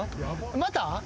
また？